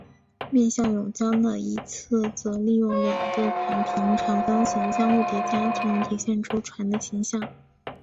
面向甬江的一侧则利用两个扁平长方形相互叠加从而体现出船的形象。